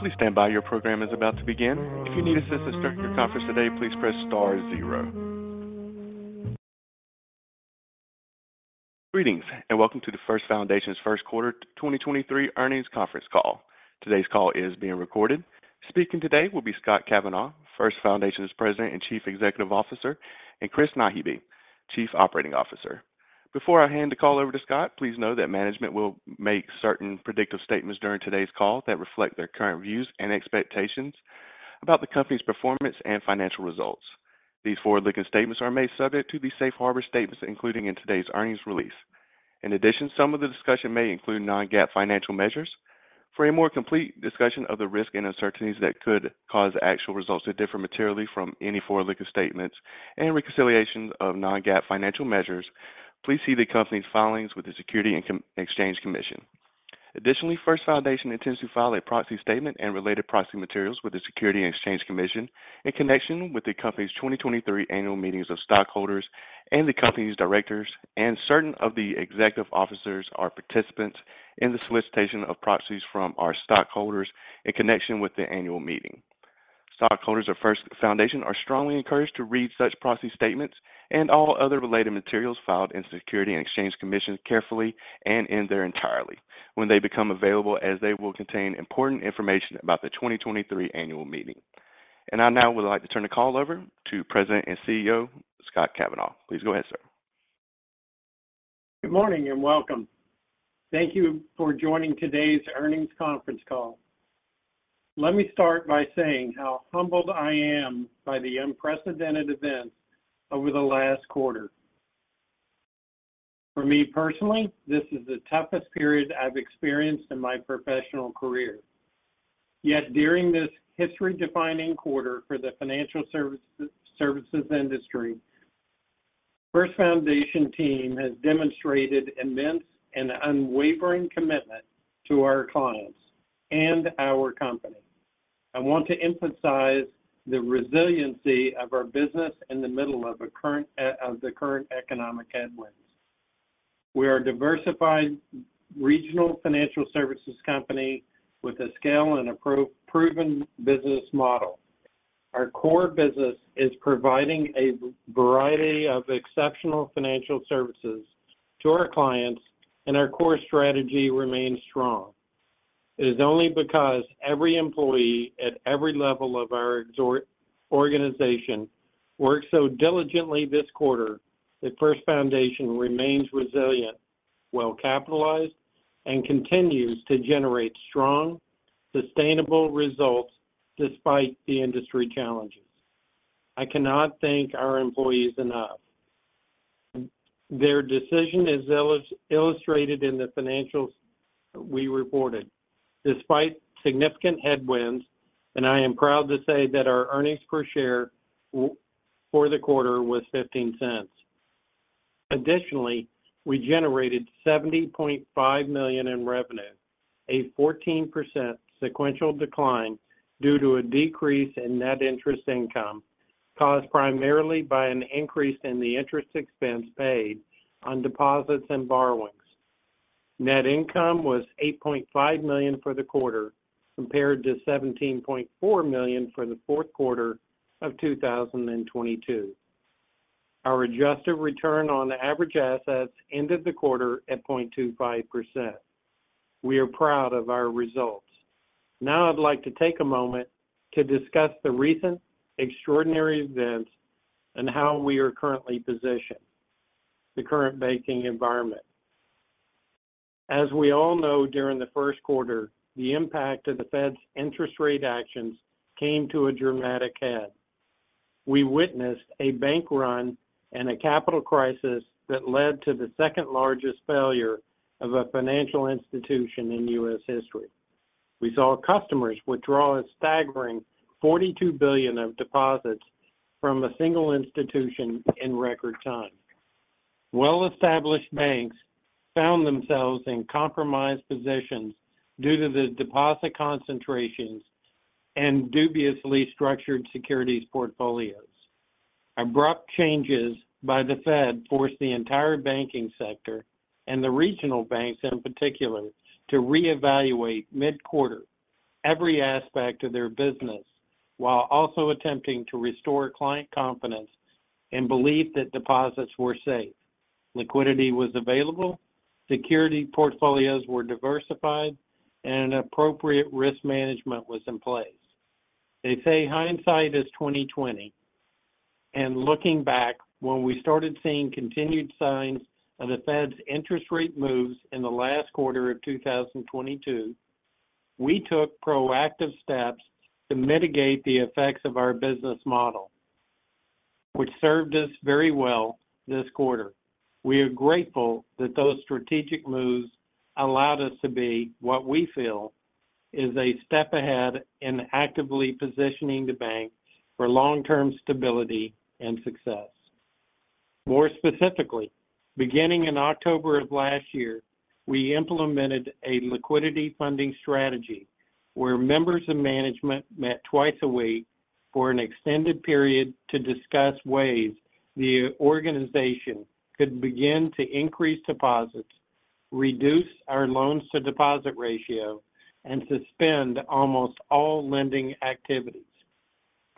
Please stand by. Your program is about to begin. If you need assistance during your conference today, please press star zero. Welcome to the First Foundation's first quarter 2023 earnings conference call. Today's call is being recorded. Speaking today will be Scott Kavanaugh, First Foundation's President and Chief Executive Officer, and Chris Naghibi, Chief Operating Officer. Before I hand the call over to Scott, please know that management will make certain predictive statements during today's call that reflect their current views and expectations about the company's performance and financial results. These forward-looking statements are made subject to the safe harbor statements including in today's earnings release. Some of the discussion may include non-GAAP financial measures. For a more complete discussion of the risks and uncertainties that could cause actual results to differ materially from any forward-looking statements and reconciliations of non-GAAP financial measures, please see the company's filings with the Securities and Exchange Commission. Additionally, First Foundation intends to file a proxy statement and related proxy materials with the Securities and Exchange Commission in connection with the company's 2023 annual meetings of stockholders and the company's directors and certain of the executive officers are participants in the solicitation of proxies from our stockholders in connection with the annual meeting. Stockholders of First Foundation are strongly encouraged to read such proxy statements and all other related materials filed in Securities and Exchange Commission carefully and in their entirety when they become available as they will contain important information about the 2023 annual meeting. I now would like to turn the call over to President and CEO, Scott Kavanaugh. Please go ahead, sir. Good morning and welcome. Thank you for joining today's earnings conference call. Let me start by saying how humbled I am by the unprecedented events over the last quarter. For me personally, this is the toughest period I've experienced in my professional career. Yet during this history-defining quarter for the financial services industry, First Foundation team has demonstrated immense and unwavering commitment to our clients and our company. I want to emphasize the resiliency of our business in the middle of the current economic headwinds. We are a diversified regional financial services company with a scale and a proven business model. Our core business is providing a variety of exceptional financial services to our clients, and our core strategy remains strong. It is only because every employee at every level of our organization worked so diligently this quarter that First Foundation remains resilient, well-capitalized, and continues to generate strong, sustainable results despite the industry challenges. I cannot thank our employees enough. Their decision is illustrated in the financials we reported despite significant headwinds, and I am proud to say that our earnings per share for the quarter was $0.15. Additionally, we generated $70.5 million in revenue, a 14% sequential decline due to a decrease in net interest income caused primarily by an increase in the interest expense paid on deposits and borrowings. Net income was $8.5 million for the quarter, compared to $17.4 million for the fourth quarter of 2022. Our adjusted return on average assets ended the quarter at 0.25%. We are proud of our results. I'd like to take a moment to discuss the recent extraordinary events and how we are currently positioned, the current banking environment. As we all know during the first quarter, the impact of the Fed's interest rate actions came to a dramatic head. We witnessed a bank run and a capital crisis that led to the second-largest failure of a financial institution in U.S. history. We saw customers withdraw a staggering $42 billion of deposits from a single institution in record time. Well-established banks found themselves in compromised positions due to the deposit concentrations and dubiously structured securities portfolios. Abrupt changes by the Fed forced the entire banking sector, and the regional banks in particular, to reevaluate mid-quarter every aspect of their business while also attempting to restore client confidence and belief that deposits were safe, liquidity was available, security portfolios were diversified, and appropriate risk management was in place. They say hindsight is 20/20, and looking back, when we started seeing continued signs of the Fed's interest rate moves in the last quarter of 2022, we took proactive steps to mitigate the effects of our business model, which served us very well this quarter. We are grateful that those strategic moves allowed us to be what we feel is a step ahead in actively positioning the bank for long-term stability and success. More specifically, beginning in October of last year, we implemented a liquidity funding strategy where members of management met twice a week for an extended period to discuss ways the organization could begin to increase deposits, reduce our loans to deposit ratio, and suspend almost all lending activities.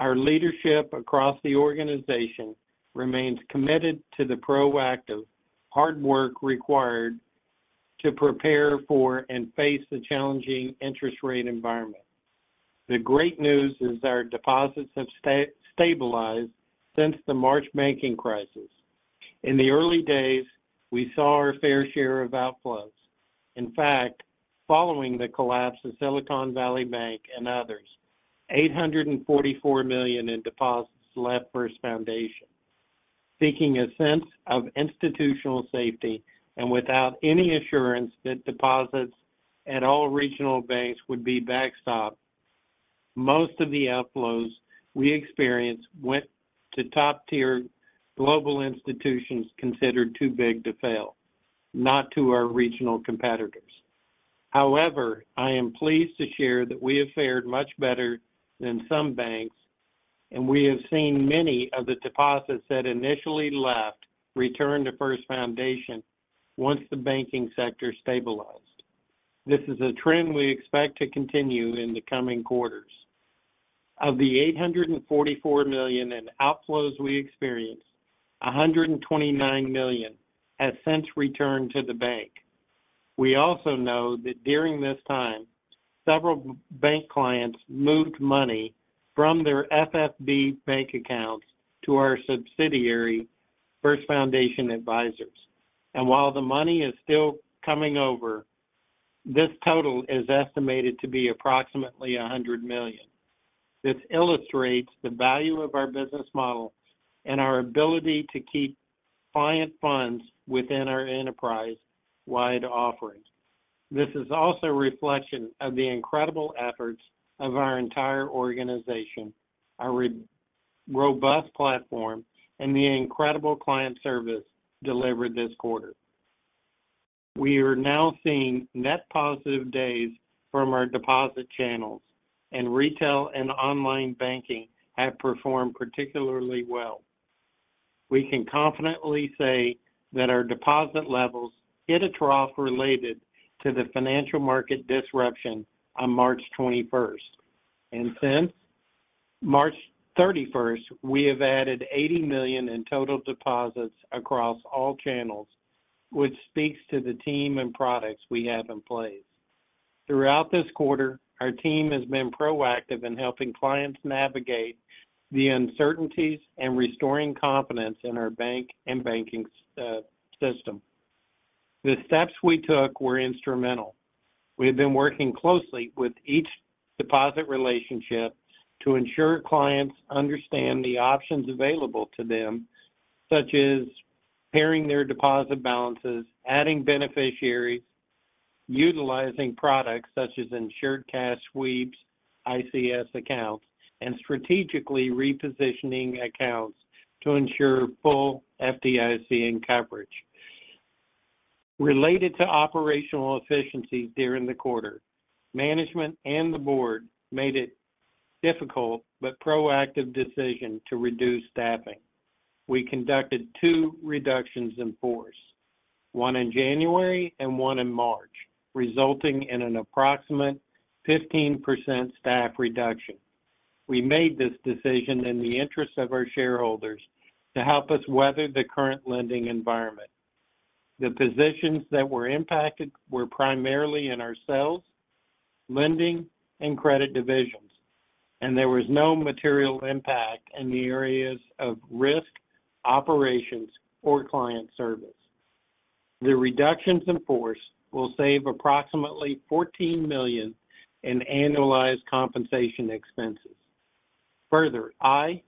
Our leadership across the organization remains committed to the proactive hard work required to prepare for and face the challenging interest rate environment. The great news is our deposits have stabilized since the March banking crisis. In the early days, we saw our fair share of outflows. In fact, following the collapse of Silicon Valley Bank and others, $844 million in deposits left First Foundation. Without any assurance that deposits at all regional banks would be backstop, most of the outflows we experienced went to top-tier global institutions considered too big to fail, not to our regional competitors. I am pleased to share that we have fared much better than some banks, and we have seen many of the deposits that initially left return to First Foundation once the banking sector stabilized. This is a trend we expect to continue in the coming quarters. Of the $844 million in outflows we experienced, $129 million has since returned to the bank. We also know that during this time, several bank clients moved money from their FFB bank accounts to our subsidiary, First Foundation Advisors. While the money is still coming over, this total is estimated to be approximately $100 million. This illustrates the value of our business model and our ability to keep client funds within our enterprise-wide offerings. This is also a reflection of the incredible efforts of our entire organization, our robust platform, and the incredible client service delivered this quarter. We are now seeing net positive days from our deposit channels. Retail and online banking have performed particularly well. We can confidently say that our deposit levels hit a trough related to the financial market disruption on March twenty-first. Since March thirty-first, we have added $80 million in total deposits across all channels, which speaks to the team and products we have in place. Throughout this quarter, our team has been proactive in helping clients navigate the uncertainties and restoring confidence in our bank and banking system. The steps we took were instrumental. We have been working closely with each deposit relationship to ensure clients understand the options available to them, such as pairing their deposit balances, adding beneficiaries, utilizing products such as Insured Cash Sweep, ICS accounts, and strategically repositioning accounts to ensure full FDIC coverage. Related to operational efficiencies during the quarter, management and the board made a difficult but proactive decision to reduce staffing. We conducted 2 reductions in force, 1 in January and 1 in March, resulting in an approximate 15% staff reduction. We made this decision in the interest of our shareholders to help us weather the current lending environment. The positions that were impacted were primarily in our sales, lending, and credit divisions, and there was no material impact in the areas of risk, operations, or client service. The reductions in force will save approximately $14 million in annualized compensation expenses. I,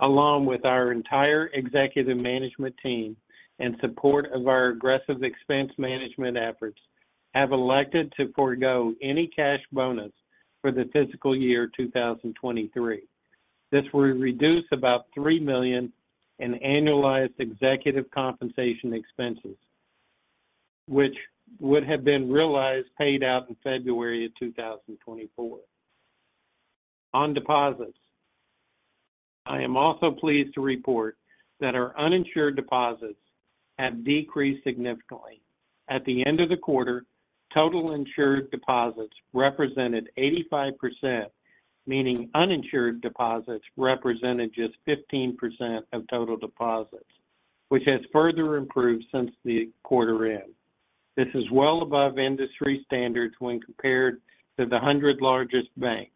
along with our entire executive management team, in support of our aggressive expense management efforts, have elected to forgo any cash bonus for the fiscal year 2023. This will reduce about $3 million in annualized executive compensation expenses, which would have been realized paid out in February of 2024. Deposits, I am also pleased to report that our uninsured deposits have decreased significantly. At the end of the quarter, total insured deposits represented 85%, meaning uninsured deposits represented just 15% of total deposits, which has further improved since the quarter end. This is well above industry standards when compared to the 100 largest banks.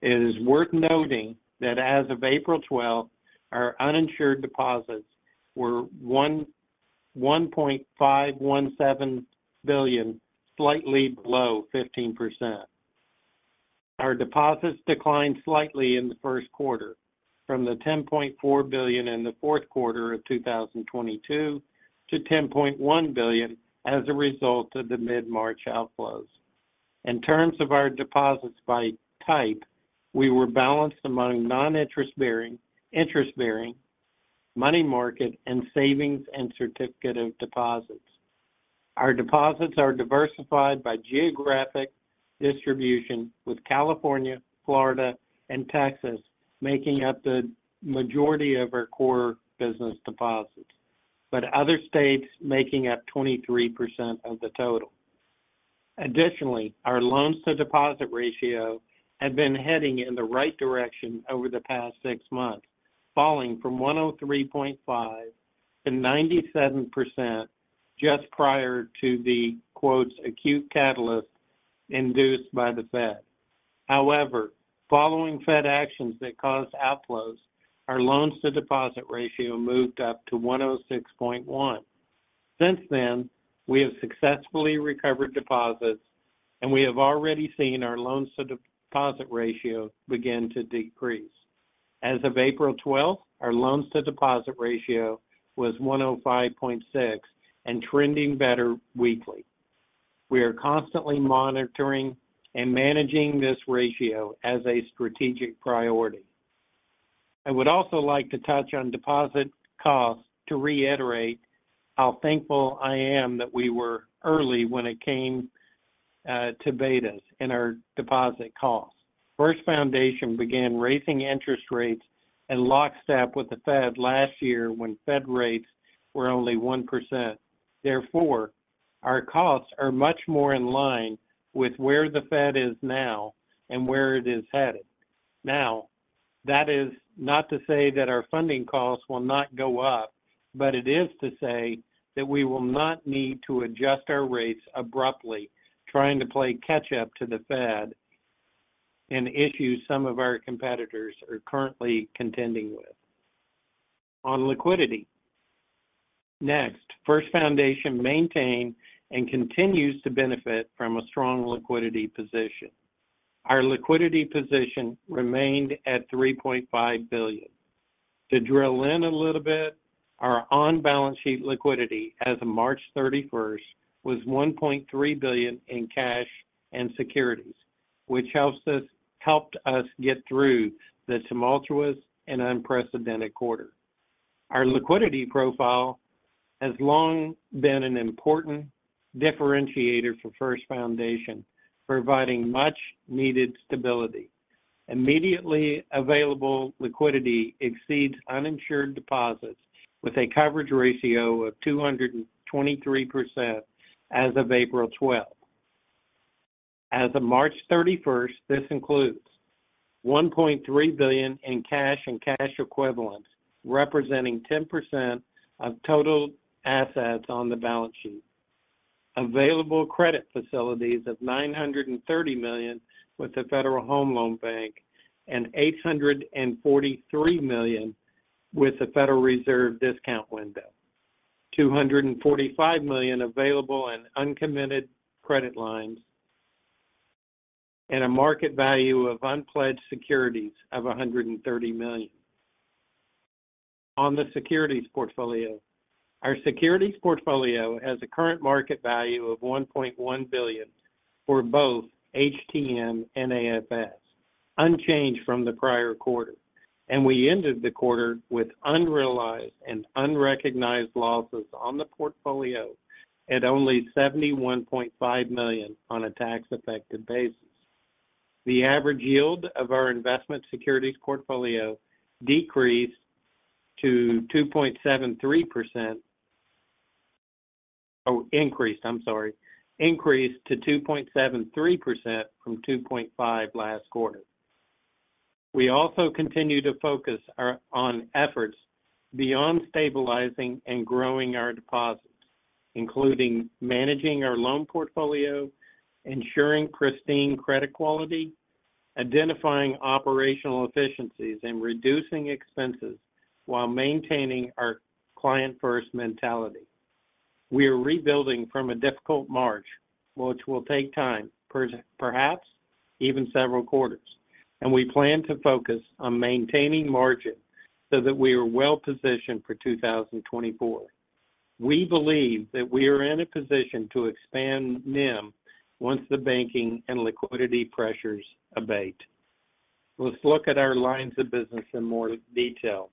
It is worth noting that as of April 12th, our uninsured deposits were $1.517 billion, slightly below 15%. Our deposits declined slightly in the first quarter from the $10.4 billion in the fourth quarter of 2022 to $10.1 billion as a result of the mid-March outflows. In terms of our deposits by type, we were balanced among non-interest bearing, interest bearing, money market, and savings and certificate of deposits. Our deposits are diversified by geographic distribution with California, Florida, and Texas making up the majority of our core business deposits, but other states making up 23% of the total. Our loans to deposit ratio had been heading in the right direction over the past six months, falling from 103.5 to 97% just prior to the quotes acute catalyst induced by the Fed. Following Fed actions that caused outflows, our loans to deposit ratio moved up to 106.1. Since then, we have successfully recovered deposits. We have already seen our loans to deposit ratio begin to decrease. As of April 12th, our loans to deposit ratio was 105.6 and trending better weekly. We are constantly monitoring and managing this ratio as a strategic priority. I would also like to touch on deposit costs to reiterate how thankful I am that we were early when it came to betas in our deposit costs. First Foundation began raising interest rates in lockstep with the Fed last year when Fed rates were only 1%. Our costs are much more in line with where the Fed is now and where it is headed. That is not to say that our funding costs will not go up, but it is to say that we will not need to adjust our rates abruptly trying to play catch up to the Fed, an issue some of our competitors are currently contending with. On liquidity. Next, First Foundation maintained and continues to benefit from a strong liquidity position. Our liquidity position remained at $3.5 billion. To drill in a little bit, our on-balance sheet liquidity as of March 31st was $1.3 billion in cash and securities, which helped us get through the tumultuous and unprecedented quarter. Our liquidity profile has long been an important differentiator for First Foundation, providing much needed stability. Immediately available liquidity exceeds uninsured deposits with a coverage ratio of 223% as of April 12th. As of March 31st, this includes $1.3 billion in cash and cash equivalents, representing 10% of total assets on the balance sheet. Available credit facilities of $930 million with the Federal Home Loan Bank and $843 million with the Federal Reserve discount window. $245 million available in uncommitted credit lines, a market value of unpledged securities of $130 million. On the securities portfolio. Our securities portfolio has a current market value of $1.1 billion for both HTM and AFS, unchanged from the prior quarter. We ended the quarter with unrealized and unrecognized losses on the portfolio at only $71.5 million on a tax-affected basis. The average yield of our investment securities portfolio decreased to 2.73%. Oh, increased, I'm sorry. Increased to 2.73% from 2.5 last quarter. We also continue to focus on efforts beyond stabilizing and growing our deposits, including managing our loan portfolio, ensuring pristine credit quality, identifying operational efficiencies, and reducing expenses while maintaining our client-first mentality. We are rebuilding from a difficult March, which will take time, perhaps even several quarters, and we plan to focus on maintaining margin so that we are well-positioned for 2024. We believe that we are in a position to expand NIM once the banking and liquidity pressures abate. Let's look at our lines of business in more detail.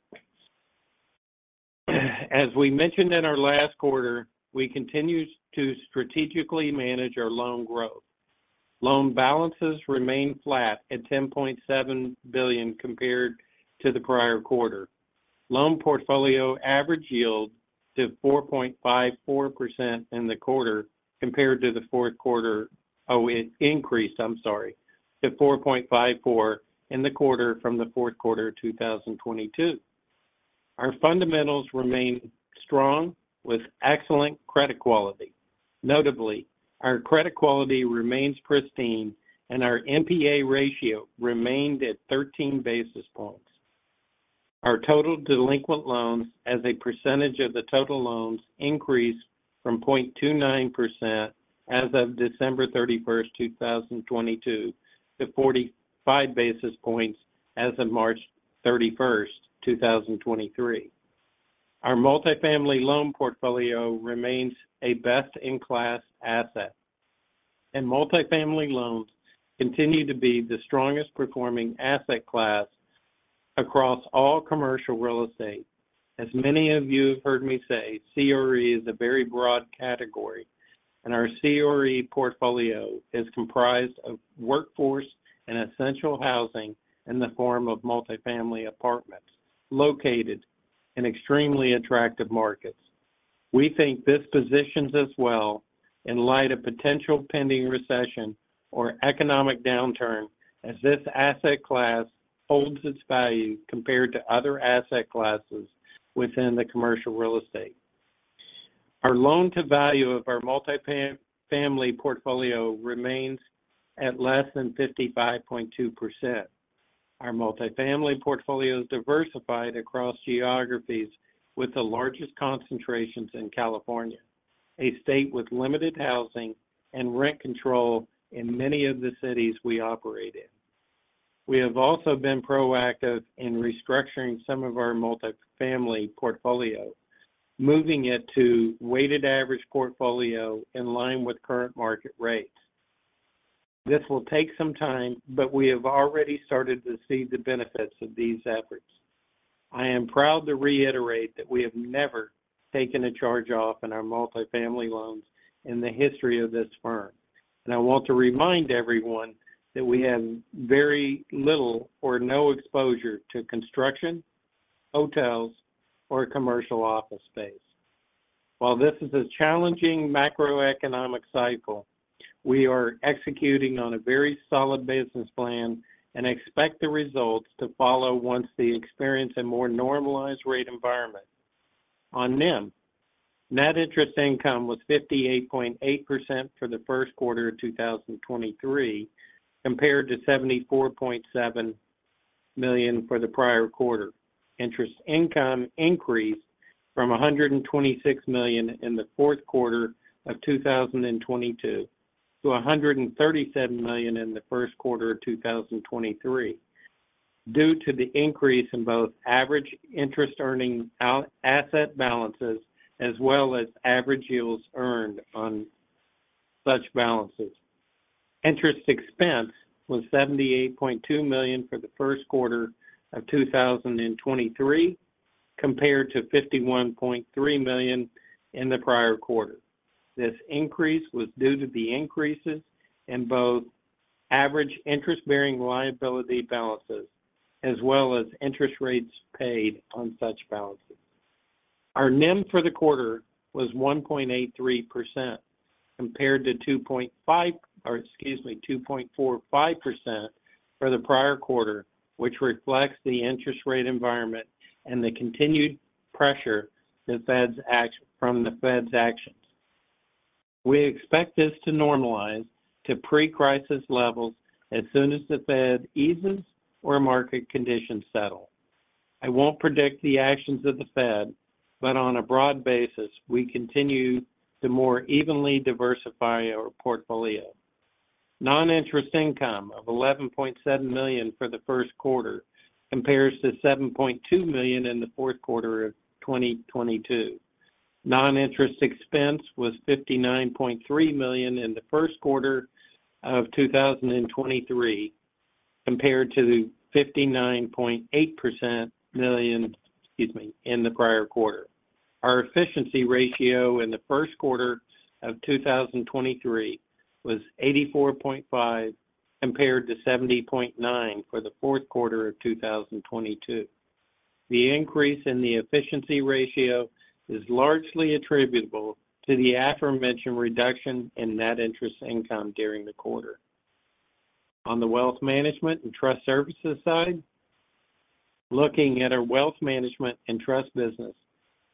As we mentioned in our last quarter, we continue to strategically manage our loan growth. Loan balances remain flat at $10.7 billion compared to the prior quarter. Loan portfolio average yield to 4.54% in the quarter compared to the fourth quarter. I'm sorry, it increased to 4.54% in the quarter from the fourth quarter of 2022. Our fundamentals remain strong with excellent credit quality. Notably, our credit quality remains pristine, and our NPA ratio remained at 13 basis points. Our total delinquent loans as a percentage of the total loans increased from 0.29% as of December 31st, 2022, to 45 basis points as of March 31st, 2023. Our multifamily loan portfolio remains a best-in-class asset. Multifamily loans continue to be the strongest performing asset class across all commercial real estate, as many of you have heard me say, CRE is a very broad category, and our CRE portfolio is comprised of workforce and essential housing in the form of multifamily apartments located in extremely attractive markets. We think this positions us well in light of potential pending recession or economic downturn as this asset class holds its value compared to other asset classes within the commercial real estate. Our loan to value of our multifamily portfolio remains at less than 55.2%. Our multifamily portfolio is diversified across geographies with the largest concentrations in California, a state with limited housing and rent control in many of the cities we operate in. We have also been proactive in restructuring some of our multifamily portfolio, moving it to weighted average portfolio in line with current market rates. This will take some time, but we have already started to see the benefits of these efforts. I am proud to reiterate that we have never taken a charge off in our multifamily loans in the history of this firm. I want to remind everyone that we have very little or no exposure to construction, hotels, or commercial office space. While this is a challenging macroeconomic cycle, we are executing on a very solid business plan and expect the results to follow once they experience a more normalized rate environment. On NIM, net interest income was 58.8% for the first quarter of 2023, compared to $74.7 million for the prior quarter. Interest income increased from $126 million in the fourth quarter of 2022 to $137 million in the first quarter of 2023 due to the increase in both average interest earning out asset balances as well as average yields earned on such balances. Interest expense was $78.2 million for the first quarter of 2023, compared to $51.3 million in the prior quarter. This increase was due to the increases in both average interest-bearing liability balances as well as interest rates paid on such balances. Our NIM for the quarter was 1.83% compared to 2.45% for the prior quarter, which reflects the interest rate environment and the continued pressure from the Fed's actions. We expect this to normalize to pre-crisis levels as soon as the Fed eases or market conditions settle. On a broad basis, we continue to more evenly diversify our portfolio. Non-interest income of $11.7 million for the first quarter compares to $7.2 million in the fourth quarter of 2022. Non-interest expense was $59.3 million in the first quarter of 2023, compared to $59.8 million, excuse me, in the prior quarter. Our efficiency ratio in the first quarter of 2023 was 84.5% compared to 70.9% for the fourth quarter of 2022. The increase in the efficiency ratio is largely attributable to the aforementioned reduction in net interest income during the quarter. On the wealth management and trust services side, looking at our wealth management and trust business,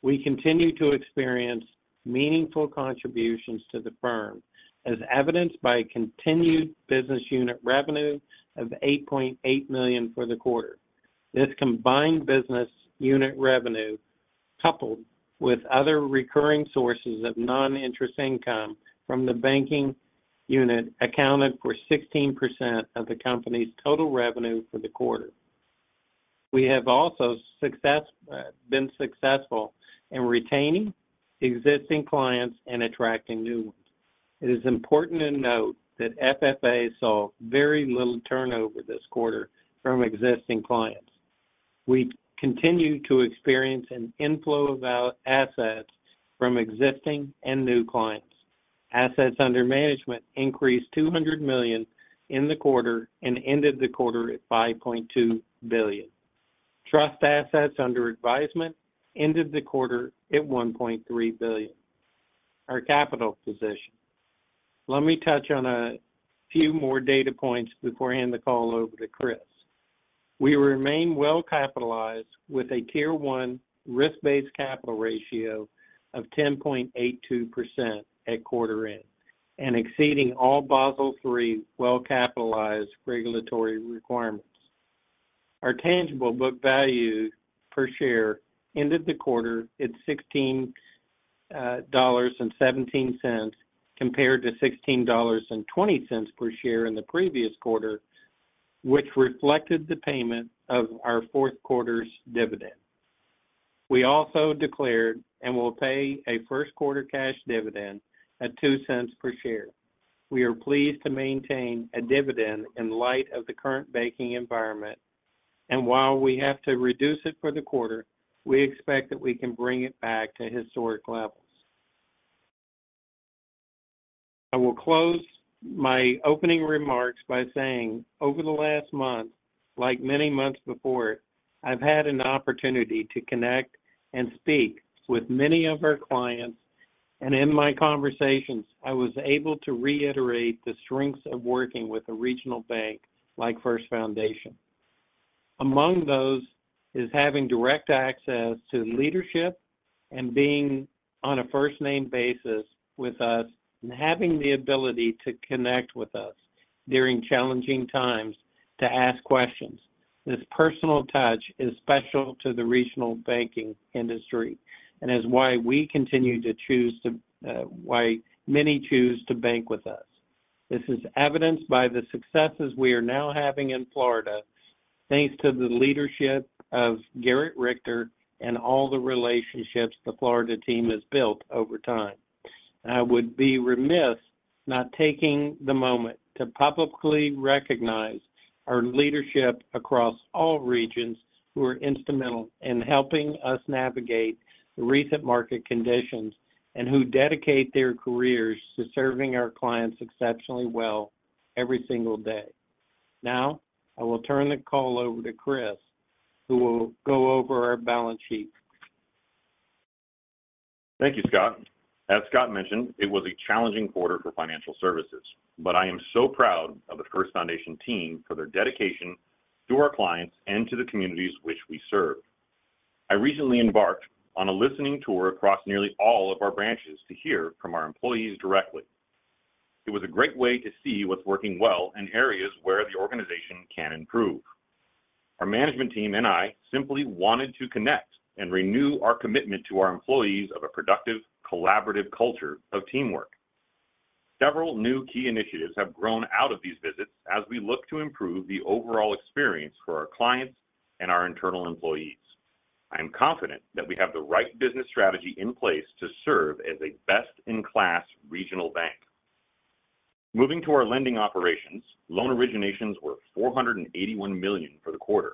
we continue to experience meaningful contributions to the firm, as evidenced by continued business unit revenue of $8.8 million for the quarter. This combined business unit revenue, coupled with other recurring sources of non-interest income from the banking unit, accounted for 16% of the company's total revenue for the quarter. We have also been successful in retaining existing clients and attracting new ones. It is important to note that FFA saw very little turnover this quarter from existing clients. We continue to experience an inflow of assets from existing and new clients. Assets under management increased $200 million in the quarter and ended the quarter at $5.2 billion. Trust assets under advisement ended the quarter at $1.3 billion. Our capital position. Let me touch on a few more data points before I hand the call over to Chris. We remain well capitalized with a Tier 1 risk-based capital ratio of 10.82% at quarter end and exceeding all Basel III well-capitalized regulatory requirements. Our tangible book value per share ended the quarter at $16.17 compared to $16.20 per share in the previous quarter, which reflected the payment of our fourth quarter's dividend. We also declared and will pay a first quarter cash dividend at $0.02 per share. We are pleased to maintain a dividend in light of the current banking environment. While we have to reduce it for the quarter, we expect that we can bring it back to historic levels. I will close my opening remarks by saying, over the last month, like many months before, I've had an opportunity to connect and speak with many of our clients. In my conversations, I was able to reiterate the strengths of working with a regional bank like First Foundation. Among those is having direct access to leadership and being on a first-name basis with us, and having the ability to connect with us during challenging times to ask questions. This personal touch is special to the regional banking industry and is why many choose to bank with us. This is evidenced by the successes we are now having in Florida, thanks to the leadership of Garrett Richter and all the relationships the Florida team has built over time. I would be remiss not taking the moment to publicly recognize our leadership across all regions who are instrumental in helping us navigate the recent market conditions and who dedicate their careers to serving our clients exceptionally well every single day. I will turn the call over to Chris, who will go over our balance sheet. Thank you, Scott. As Scott mentioned, it was a challenging quarter for financial services, but I am so proud of the First Foundation team for their dedication to our clients and to the communities which we serve. I recently embarked on a listening tour across nearly all of our branches to hear from our employees directly. It was a great way to see what's working well in areas where the organization can improve. Our management team and I simply wanted to connect and renew our commitment to our employees of a productive, collaborative culture of teamwork. Several new key initiatives have grown out of these visits as we look to improve the overall experience for our clients and our internal employees. I am confident that we have the right business strategy in place to serve as a best-in-class regional bank. Moving to our lending operations, loan originations were $481 million for the quarter,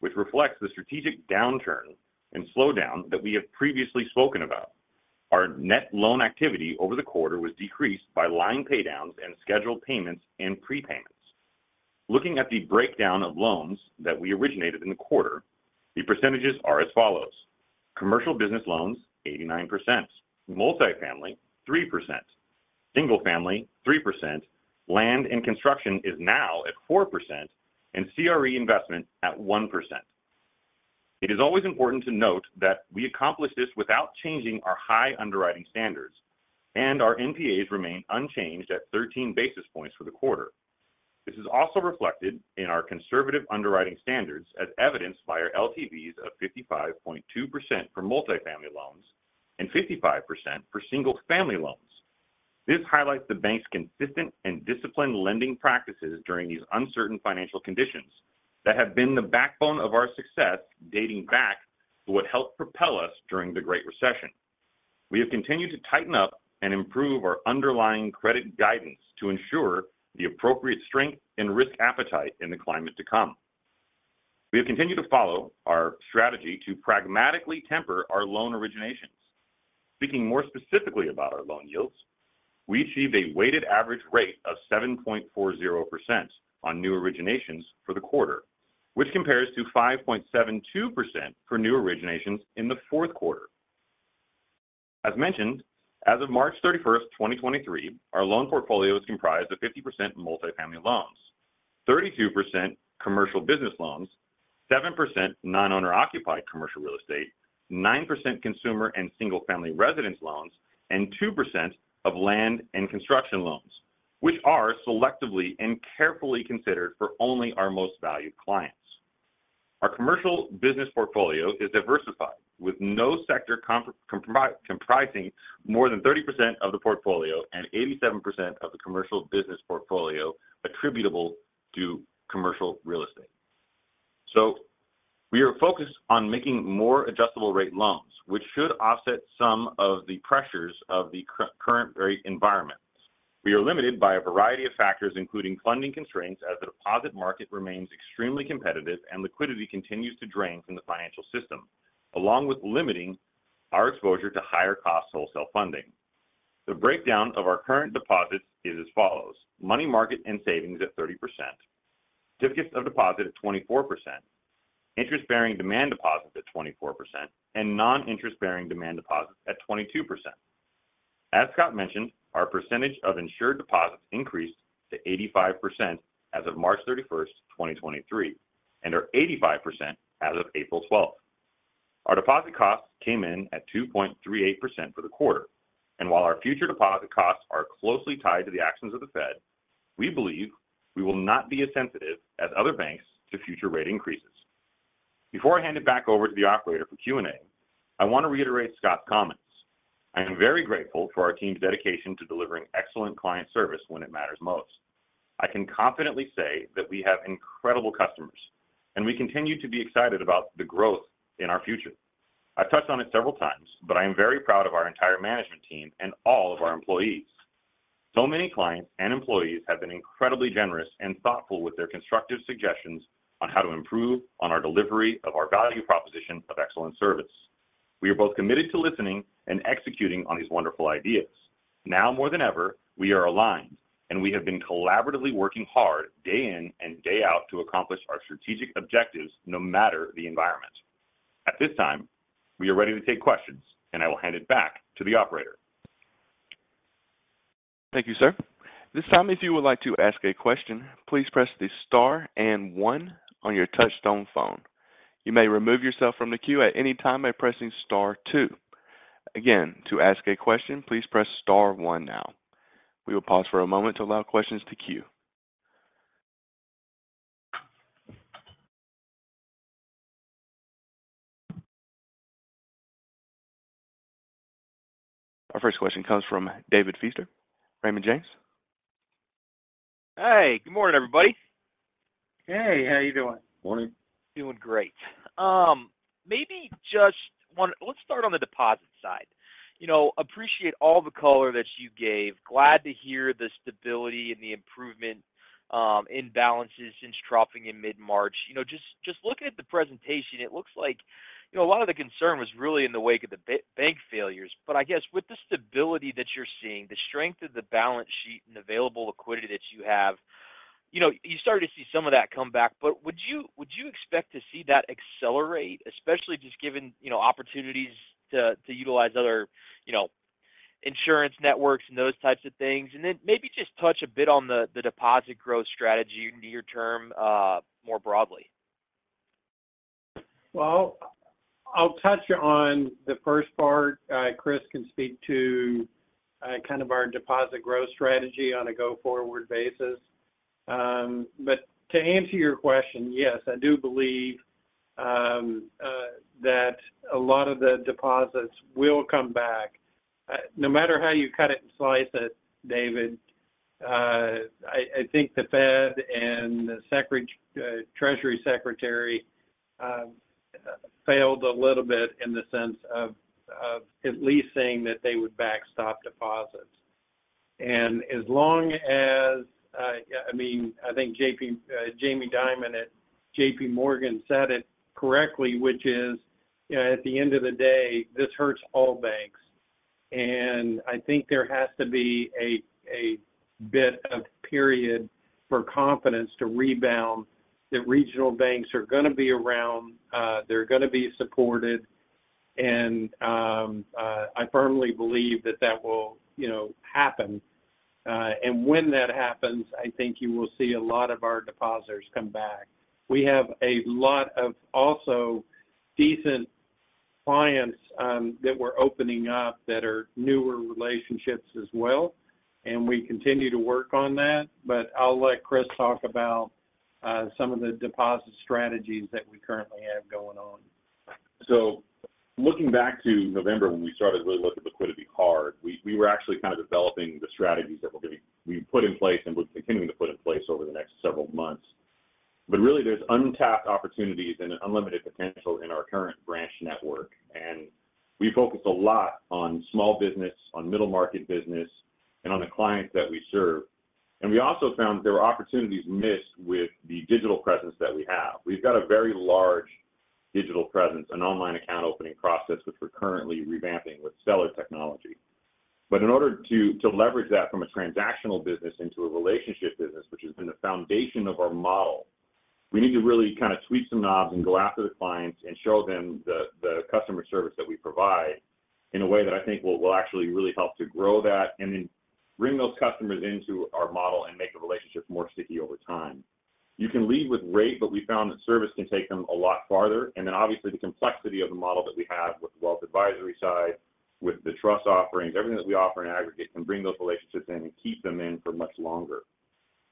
which reflects the strategic downturn and slowdown that we have previously spoken about. Our net loan activity over the quarter was decreased by line pay downs and scheduled payments and prepayments. Looking at the breakdown of loans that we originated in the quarter, the percentages are as follows: commercial business loans, 89%; multifamily, 3%; single family, 3%; land and construction is now at 4%; and CRE investment at 1%. It is always important to note that we accomplish this without changing our high underwriting standards, and our NPAs remain unchanged at 13 basis points for the quarter. This is also reflected in our conservative underwriting standards as evidenced by our LTVs of 55.2% for multifamily loans and 55% for single family loans. This highlights the bank's consistent and disciplined lending practices during these uncertain financial conditions that have been the backbone of our success dating back to what helped propel us during the Great Recession. We have continued to tighten up and improve our underlying credit guidance to ensure the appropriate strength and risk appetite in the climate to come. We have continued to follow our strategy to pragmatically temper our loan originations. Speaking more specifically about our loan yields, we achieved a weighted average rate of 7.40% on new originations for the quarter, which compares to 5.72% for new originations in the fourth quarter. As mentioned, as of March 31st, 2023, our loan portfolio is comprised of 50% multifamily loans, 32% commercial business loans, 7% non-owner occupied commercial real estate, 9% consumer and single family residence loans, and 2% of land and construction loans, which are selectively and carefully considered for only our most valued clients. Our commercial business portfolio is diversified, with no sector comprising more than 30% of the portfolio and 87% of the commercial business portfolio attributable to commercial real estate. We are focused on making more adjustable rate loans, which should offset some of the pressures of the current rate environment. We are limited by a variety of factors, including funding constraints as the deposit market remains extremely competitive and liquidity continues to drain from the financial system, along with limiting our exposure to higher cost wholesale funding. The breakdown of our current deposits is as follows: money market and savings at 30%, certificates of deposit at 24%, interest-bearing demand deposits at 24%, and non-interest-bearing demand deposits at 22%. As Scott mentioned, our percentage of insured deposits increased to 85% as of March 31, 2023, and are 85% as of April 12. Our deposit costs came in at 2.38% for the quarter. While our future deposit costs are closely tied to the actions of the Fed, we believe we will not be as sensitive as other banks to future rate increases. Before I hand it back over to the operator for Q&A, I want to reiterate Scott's comment. I am very grateful for our team's dedication to delivering excellent client service when it matters most. I can confidently say that we have incredible customers, and we continue to be excited about the growth in our future. I've touched on it several times, but I am very proud of our entire management team and all of our employees. Many clients and employees have been incredibly generous and thoughtful with their constructive suggestions on how to improve on our delivery of our value proposition of excellent service. We are both committed to listening and executing on these wonderful ideas. Now more than ever, we are aligned, and we have been collaboratively working hard day in and day out to accomplish our strategic objectives, no matter the environment. At this time, we are ready to take questions, and I will hand it back to the operator. Thank you, sir. This time, if you would like to ask a question, please press the star and one on your touch-tone phone. You may remove yourself from the queue at any time by pressing star two. Again, to ask a question, please press Star one now. We will pause for a moment to allow questions to queue. Our first question comes from David Feaster. Raymond James. Hey, good morning, everybody. Hey, how are you doing? Morning. Doing great. Maybe just one, let's start on the deposit side. You know, appreciate all the color that you gave. Glad to hear the stability and the improvement in balances since dropping in mid-March. You know, just looking at the presentation, it looks like, you know, a lot of the concern was really in the wake of the bank failures. I guess with the stability that you're seeing, the strength of the balance sheet and available liquidity that you have, you know, you started to see some of that come back. Would you expect to see that accelerate, especially just given, you know, opportunities to utilize other, you know, insurance networks and those types of things? Then maybe just touch a bit on the deposit growth strategy near-term more broadly. I'll touch on the first part. Chris can speak to kind of our deposit growth strategy on a go-forward basis. But to answer your question, yes, I do believe that a lot of the deposits will come back. No matter how you cut it and slice it, David, I think the Fed and the Treasury Secretary failed a little bit in the sense of at least saying that they would backstop deposits. And as long as, I mean, I think Jamie Dimon at JPMorgan said it correctly, which is, you know, at the end of the day, this hurts all banks. I think there has to be a bit of period for confidence to rebound that regional banks are gonna be around, they're gonna be supported, and I firmly believe that that will, you know, happen. When that happens, I think you will see a lot of our depositors come back. We have a lot of also decent clients that we're opening up that are newer relationships as well, and we continue to work on that. I'll let Chris talk about some of the deposit strategies that we currently have going on. Looking back to November when we started really looking at liquidity hard, we were actually kind of developing the strategies that we put in place and we're continuing to put in place over the next several months. Really there's untapped opportunities and unlimited potential in our current branch network. We focus a lot on small business, on middle market business, and on the clients that we serve. We also found there were opportunities missed with the digital presence that we have. We've got a very large digital presence and online account opening process, which we're currently revamping with seller technology. In order to leverage that from a transactional business into a relationship business, which has been the foundation of our model, we need to really kind of tweak some knobs and go after the clients and show them the customer service that we provide in a way that I think will actually really help to grow that and then bring those customers into our model and make the relationship more sticky over time. You can lead with rate, but we found that service can take them a lot farther. Obviously, the complexity of the model that we have with the wealth advisory side, with the trust offerings, everything that we offer in aggregate can bring those relationships in and keep them in for much longer.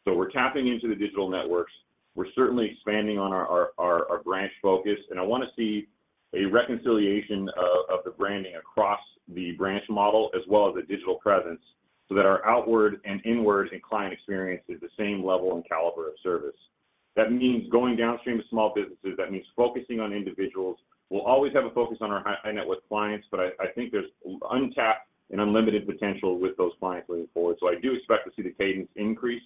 We're tapping into the digital networks. We're certainly expanding on our branch focus. I want to see a reconciliation of the branding across the branch model as well as the digital presence so that our outward and inward and client experience is the same level and caliber of service. That means going downstream to small businesses. That means focusing on individuals. We'll always have a focus on our high-net-worth clients, but I think there's untapped and unlimited potential with those clients going forward. I do expect to see the cadence increase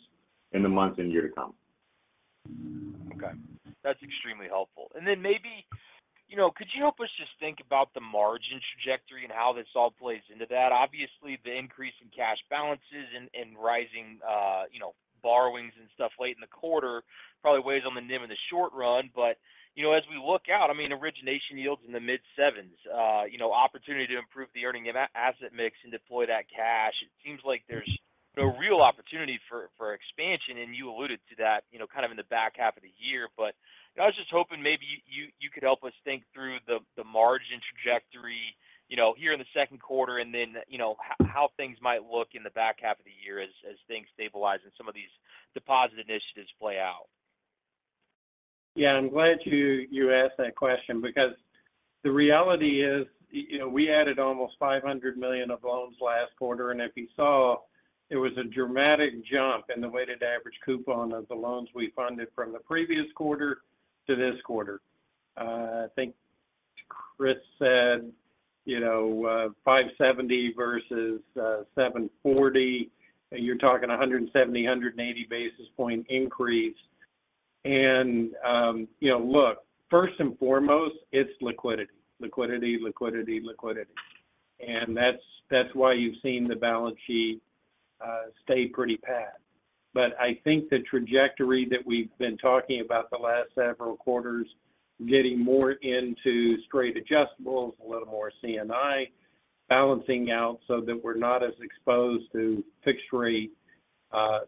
in the months and year to come. Okay. That's extremely helpful. Then maybe, you know, could you help us just think about the margin trajectory and how this all plays into that? Obviously, the increase in cash balances and rising, you know, borrowings and stuff late in the quarter probably weighs on the NIM in the short run. You know, as we look out, I mean, origination yields in the mid-sevens, you know, opportunity to improve the earning and asset mix and deploy that cash. It seems like there's no real opportunity for expansion. You alluded to that, you know, kind of in the back half of the year. You know, I was just hoping maybe you could help us think through the margin trajectory, you know, here in the second quarter and then, you know, how things might look in the back half of the year as things stabilize and some of these deposit initiatives play out. Yeah, I'm glad you asked that question because the reality is, you know, we added almost $500 million of loans last quarter. If you saw, it was a dramatic jump in the weighted average coupon of the loans we funded from the previous quarter to this quarter. I think Chris said, you know, 570 versus 740. You're talking a 170, 180 basis point increase. You know, look, first and foremost, it's liquidity. Liquidity, liquidity. That's why you've seen the balance sheet, stay pretty pat. I think the trajectory that we've been talking about the last several quarters, getting more into straight adjustables, a little more CNI, balancing out so that we're not as exposed to fixed rate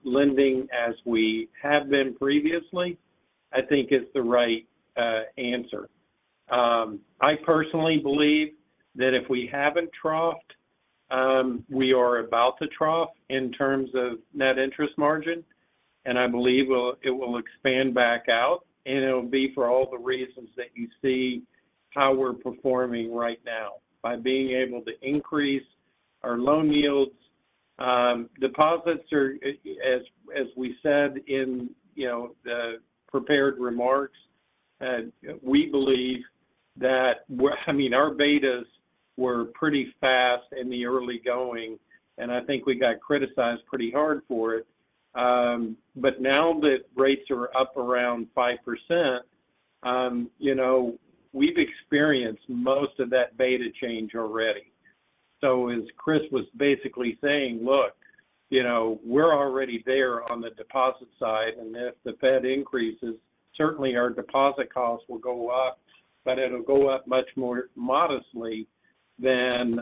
lending as we have been previously, I think is the right answer. I personally believe that if we haven't troughed, we are about to trough in terms of net interest margin. I believe it will expand back out, and it'll be for all the reasons that you see how we're performing right now, by being able to increase our loan yields. Deposits are, as we said in, you know, the prepared remarks, I mean, our betas were pretty fast in the early going, and I think we got criticized pretty hard for it. Now that rates are up around 5%, you know, we've experienced most of that beta change already. As Chris was basically saying, look, you know, we're already there on the deposit side, and if the Fed increases, certainly our deposit costs will go up, but it'll go up much more modestly than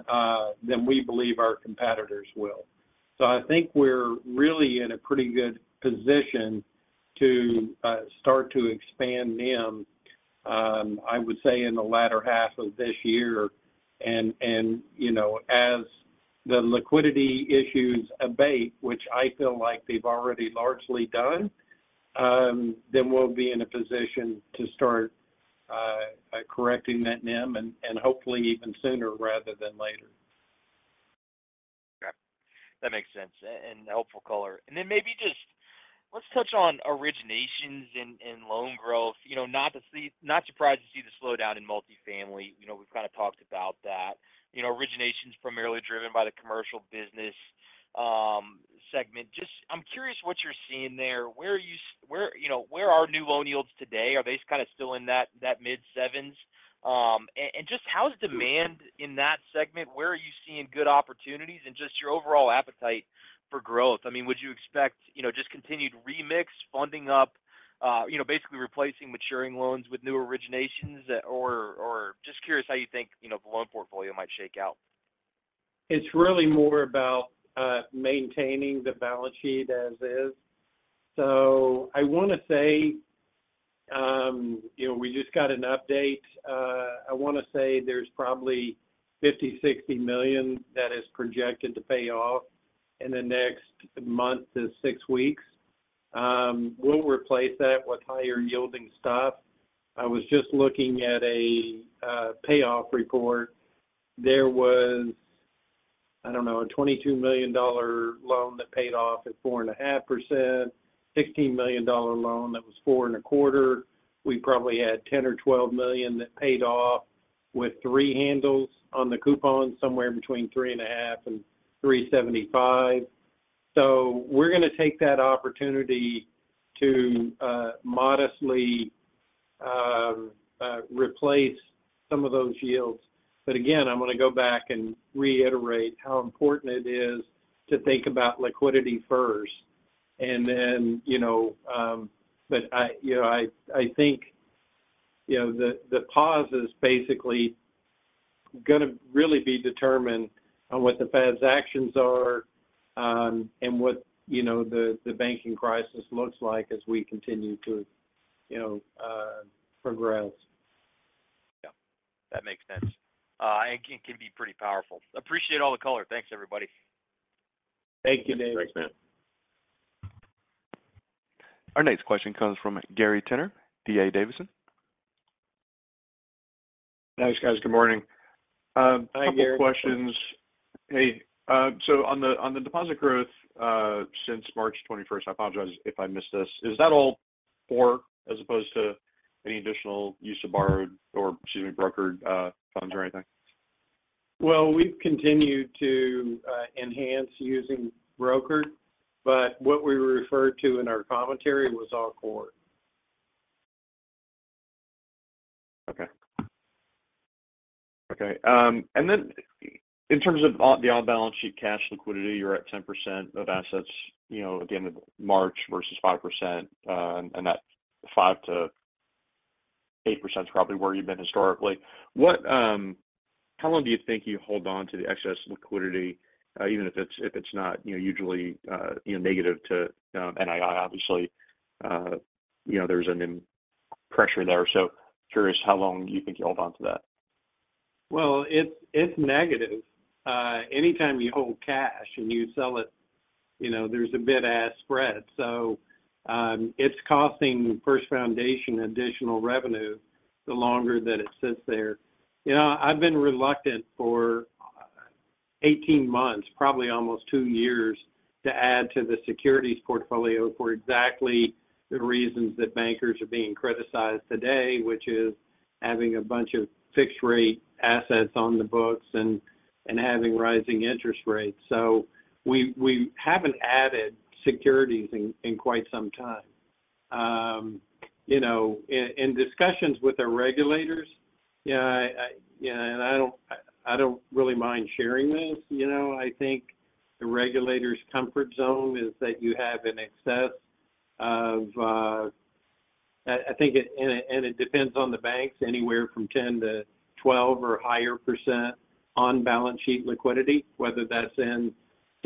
we believe our competitors will. I think we're really in a pretty good position to start to expand NIM, I would say in the latter half of this year. You know, as the liquidity issues abate, which I feel like they've already largely done, then we'll be in a position to start correcting that NIM and hopefully even sooner rather than later. Okay. That makes sense and helpful color. Then maybe just let's touch on originations and loan growth. You know, not surprised to see the slowdown in multifamily. You know, we've kind of talked about that. You know, origination's primarily driven by the commercial business segment. Just I'm curious what you're seeing there. Where are new loan yields today? Are they kind of still in that mid-sevens? And just how's demand in that segment? Where are you seeing good opportunities and just your overall appetite for growth? I mean, would you expect, you know, just continued remix, funding up, you know, basically replacing maturing loans with new originations? Or just curious how you think, you know, the loan portfolio might shake out. It's really more about maintaining the balance sheet as is. I want to say, you know, we just got an update. I want to say there's probably $50 million-$60 million that is projected to pay off in the next month to six weeks. We'll replace that with higher yielding stuff. I was just looking at a payoff report. There was, I don't know, a $22 million loan that paid off at 4.5%, $16 million loan that was 4.25%. We probably had $10 million or $12 million that paid off with 3 handles on the coupon, somewhere between 3.5% and 3.75%. We're going to take that opportunity to modestly replace some of those yields. Again, I'm going to go back and reiterate how important it is to think about liquidity first. Then, you know, but I, you know, I think, you know, the pause is basically going to really be determined on what the Fed's actions are, and what, you know, the banking crisis looks like as we continue to, you know, progress. Yeah, that makes sense. It can be pretty powerful. Appreciate all the color. Thanks, everybody. Thank you, David. Thanks, man. Our next question comes from Gary Tenner, D.A. Davidson. Thanks, guys. Good morning. Hi, Gary. Couple questions. Hey, on the deposit growth, since March 21st, I apologize if I missed this. Is that all core as opposed to any additional use of borrowed or, excuse me, brokered, funds or anything? Well, we've continued to enhance using brokered, but what we referred to in our commentary was all core. Okay. Okay. Then in terms of the on-balance sheet cash liquidity, you're at 10% of assets, you know, at the end of March versus 5%, and that 5%-8% is probably where you've been historically. How long do you think you hold on to the excess liquidity, even if it's, if it's not, you know, usually, you know, negative to NII? Obviously, you know, there's an im-pressure there, so curious how long you think you hold on to that. Well, it's negative. Anytime you hold cash and you sell it, you know, there's a bid-ask spread. It's costing First Foundation additional revenue the longer that it sits there. You know, I've been reluctant for 18 months, probably almost 2 years, to add to the securities portfolio for exactly the reasons that bankers are being criticized today, which is having a bunch of fixed rate assets on the books and having rising interest rates. We haven't added securities in quite some time. You know, in discussions with the regulators, yeah, I, yeah, and I don't really mind sharing this. You know, I think the regulators' comfort zone is that you have in excess of... I think it depends on the banks, anywhere from 10-12 or higher percent on balance sheet liquidity, whether that's in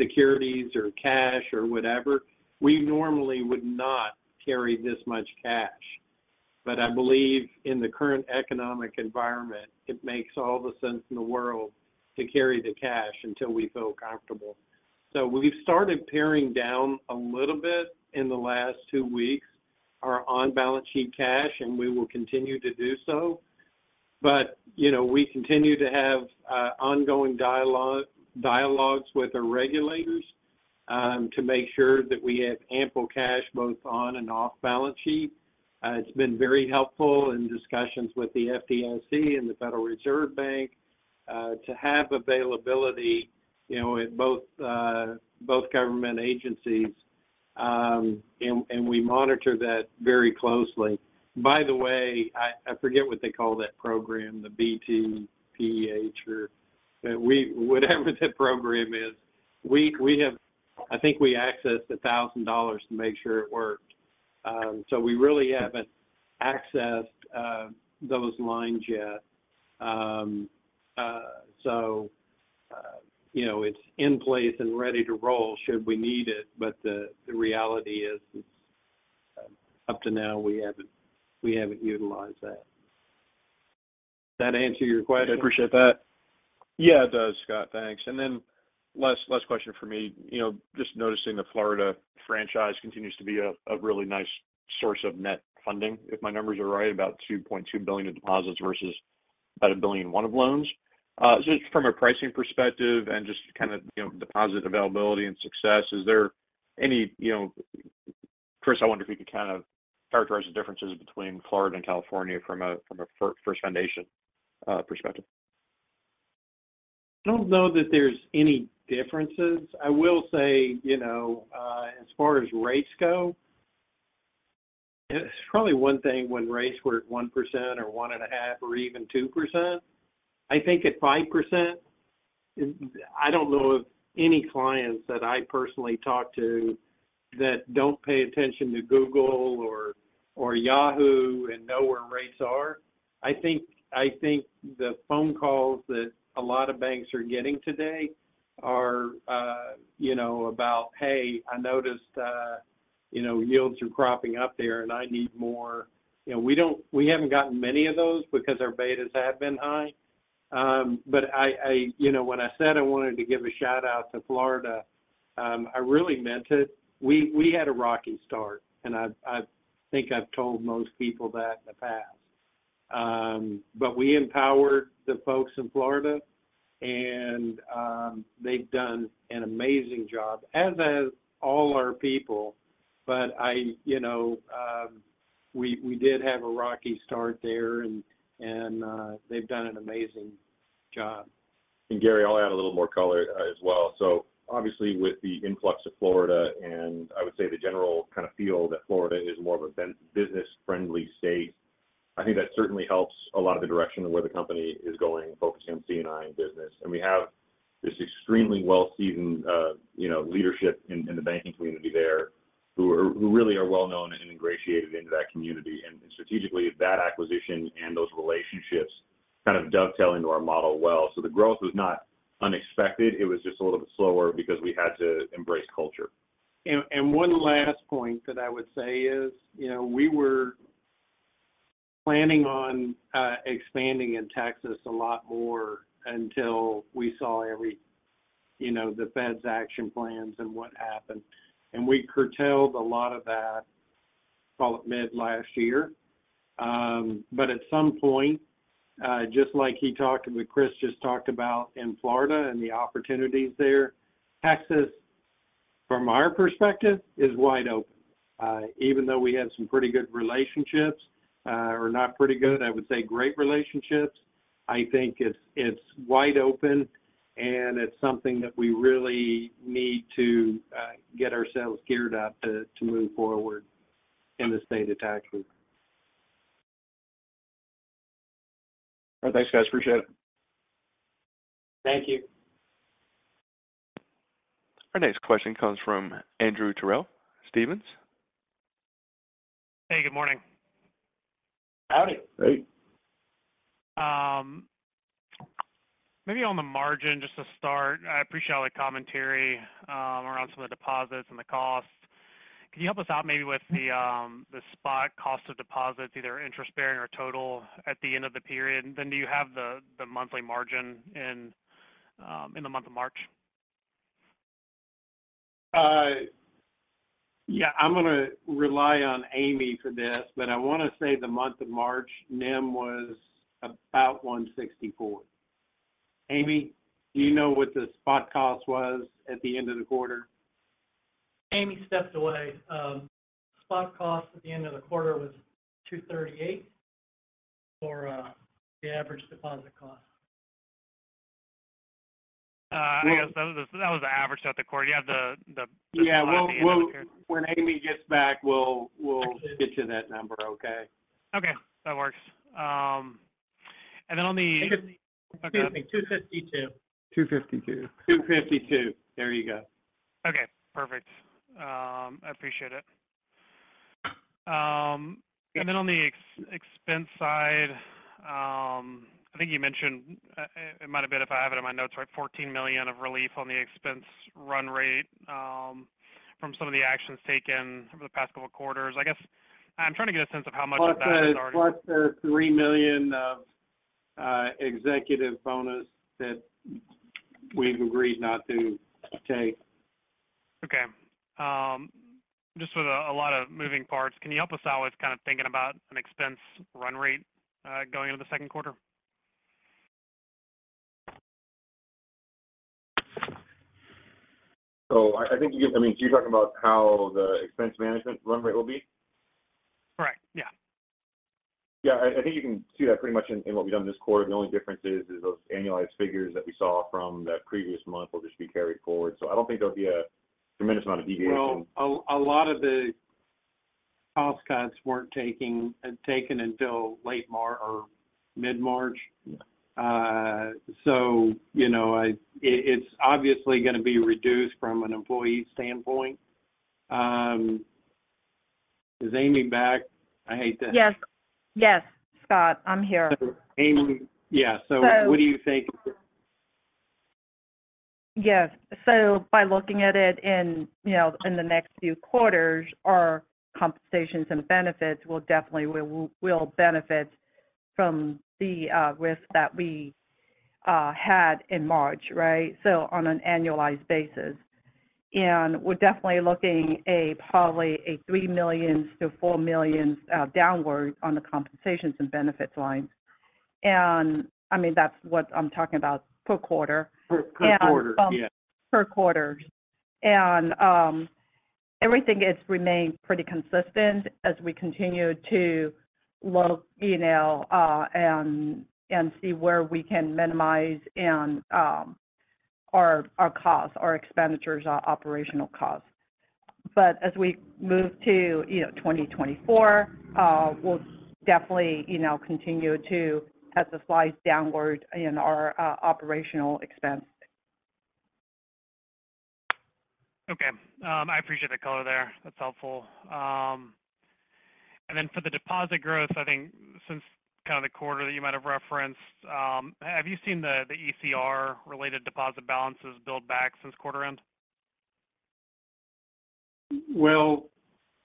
securities or cash or whatever. We normally would not carry this much cash. I believe in the current economic environment, it makes all the sense in the world to carry the cash until we feel comfortable. We've started paring down a little bit in the last 2 weeks our on-balance sheet cash, and we will continue to do so. You know, we continue to have ongoing dialogues with the regulators to make sure that we have ample cash both on and off balance sheet. It's been very helpful in discussions with the FDIC and the Federal Reserve Bank to have availability, you know, with both government agencies. We monitor that very closely. By the way, I forget what they call that program, the BTFP or... Whatever that program is, I think we accessed $1,000 to make sure it worked. We really haven't accessed those lines yet. You know, it's in place and ready to roll should we need it. The reality is, it's up to now, we haven't utilized that. That answer your question? I appreciate that. Yeah, it does, Scott. Thanks. Last question from me. You know, just noticing the Florida franchise continues to be a really nice source of net funding. If my numbers are right, about $2.2 billion in deposits versus about $1.1 billion of loans. Just from a pricing perspective and just kind of, you know, deposit availability and success, is there any, you know, Chris, I wonder if you could kind of characterize the differences between Florida and California from a First Foundation perspective. I don't know that there's any differences. I will say, you know, as far as rates go, it's probably one thing when rates were at 1% or 1.5 or even 2%. I think at 5%, I don't know of any clients that I personally talk to that don't pay attention to Google or Yahoo and know where rates are. I think the phone calls that a lot of banks are getting today are, you know, about, "Hey, I noticed, you know, yields are cropping up there and I need more." You know, we haven't gotten many of those because our betas have been high. I, you know, when I said I wanted to give a shout-out to Florida, I really meant it. We had a rocky start, and I think I've told most people that in the past. We empowered the folks in Florida and they've done an amazing job, as have all our people. You know, we did have a rocky start there and they've done an amazing job. Gary, I'll add a little more color as well. Obviously with the influx of Florida, and I would say the general kind of feel that Florida is more of a business-friendly state, I think that certainly helps a lot of the direction of where the company is going, focusing on C&I business. We have this extremely well-seasoned, you know, leadership in the banking community there who really are well known and ingratiated into that community. Strategically, that acquisition and those relationships kind of dovetail into our model well. The growth was not unexpected. It was just a little bit slower because we had to embrace culture. One last point that I would say is, you know, we were planning on expanding in Texas a lot more until we saw, you know, the Fed's action plans and what happened. We curtailed a lot of that, call it mid last year. At some point, just like that Christopher Naghibi just talked about in Florida and the opportunities there, Texas, from our perspective, is wide open. Even though we have some pretty good relationships, or not pretty good, I would say great relationships, I think it's wide open and it's something that we really need to get ourselves geared up to move forward in the state of Texas. All right. Thanks, guys. Appreciate it. Thank you. Our next question comes from Andrew Terrell, Stephens. Hey, good morning. Howdy. Hey. Maybe on the margin, just to start, I appreciate all the commentary around some of the deposits and the costs. Can you help us out maybe with the spot cost of deposits, either interest-bearing or total at the end of the period? Do you have the monthly margin in the month of March? Yeah. I'm gonna rely on Amy for this. I wanna say the month of March, NIM was about 1.64%. Amy, do you know what the spot cost was at the end of the quarter? Amy stepped away. Spot cost at the end of the quarter was 2.38% for the average deposit cost. I guess that was the average throughout the quarter. Do you have the- Yeah. the spot at the end of the period? When Amy gets back, we'll get you that number, okay? Okay. That works. Excuse me. 252. $252. $252. There you go. Okay, perfect. I appreciate it. Then on the ex-expense side, I think you mentioned, it might have been, if I have it in my notes right, $14 million of relief on the expense run rate, from some of the actions taken over the past couple of quarters. I guess I'm trying to get a sense of how much of that has already- Plus the $3 million of executive bonus that we've agreed not to take. Okay. Just with a lot of moving parts, can you help us out with kind of thinking about an expense run rate, going into the second quarter? I think you... I mean, so you're talking about how the expense management run rate will be? Correct. Yeah. Yeah. I think you can see that pretty much in what we've done this quarter. The only difference is those annualized figures that we saw from the previous month will just be carried forward. I don't think there'll be a tremendous amount of deviation. Well, a lot of the cost cuts weren't taken until late March or mid-March. You know, It's obviously gonna be reduced from an employee standpoint. Is Amy back? I hate to- Yes. Yes, Scott. I'm here. Amy, yeah. So- What do you think? Yes. By looking at it in, you know, in the next few quarters, our compensations and benefits will definitely benefit from the risk that we had in March, right? On an annualized basis. We're definitely looking probably a $3 million-$4 million downward on the compensations and benefits line. I mean, that's what I'm talking about per quarter. Per quarter. And, um- Yeah. Per quarter. Everything has remained pretty consistent as we continue to look, you know, and see where we can minimize in, our costs, our expenditures, our operational costs. As we move to, you know, 2024, we'll definitely, you know, continue to have the slides downward in our, operational expense. Okay. I appreciate the color there. That's helpful. For the deposit growth, I think since kind of the quarter that you might have referenced, have you seen the ECR-related deposit balances build back since quarter end?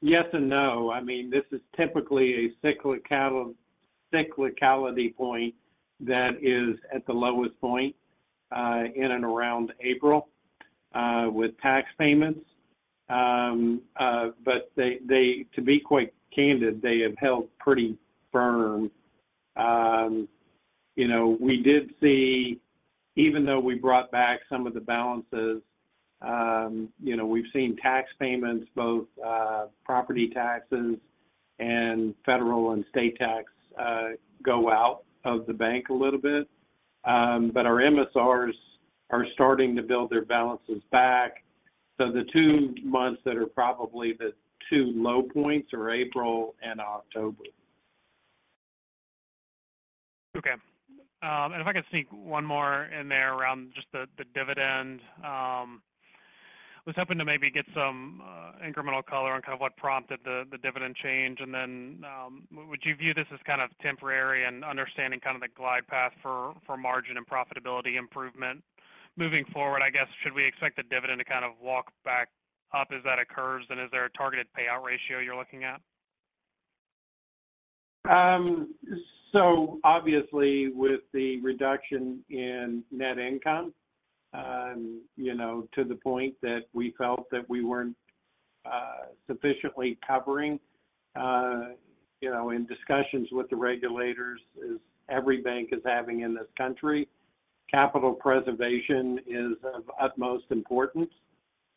Yes and no. I mean, this is typically a cyclicality point that is at the lowest point in and around April with tax payments. To be quite candid, they have held pretty firm. You know, we did see, even though we brought back some of the balances, you know, we've seen tax payments, both property taxes and federal and state tax go out of the bank a little bit. Our MSRs are starting to build their balances back. The two months that are probably the two low points are April and October. Okay. And if I could sneak one more in there around just the dividend. Was hoping to maybe get some incremental color on kind of what prompted the dividend change. Would you view this as kind of temporary and understanding kind of the glide path for margin and profitability improvement? Moving forward, I guess, should we expect the dividend to kind of walk back up as that occurs? Is there a targeted payout ratio you're looking at? Obviously with the reduction in net income, you know, to the point that we felt that we weren't sufficiently covering, you know, in discussions with the regulators as every bank is having in this country, capital preservation is of utmost importance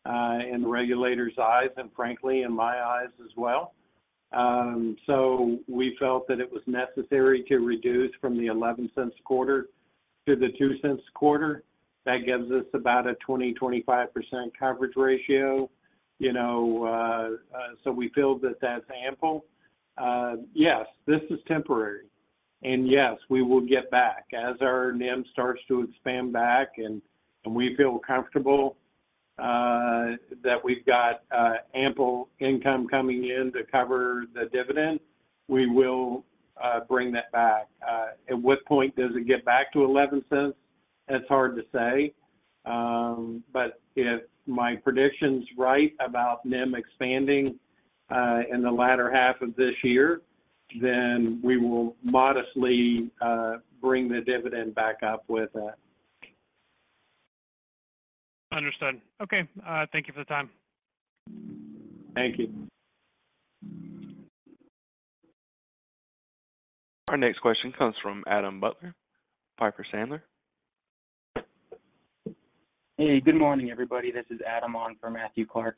in the regulators' eyes and frankly in my eyes as well. We felt that it was necessary to reduce from the $0.11 quarter to the $0.02 quarter. That gives us about a 20-25% coverage ratio, you know, so we feel that that's ample. Yes, this is temporary. Yes, we will get back. As our NIM starts to expand back and we feel comfortable that we've got ample income coming in to cover the dividend, we will bring that back. At what point does it get back to $0.11? It's hard to say. If my prediction's right about NIM expanding, in the latter half of this year, then we will modestly, bring the dividend back up with that. Understood. Okay. Thank you for the time. Thank you. Our next question comes from Adam Butler, Piper Sandler. Hey, good morning, everybody. This is Adam on for Matthew Clark.